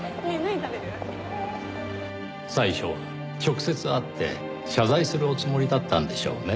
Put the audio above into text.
最初は直接会って謝罪するおつもりだったんでしょうねぇ。